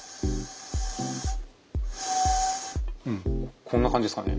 うんこんな感じですかね。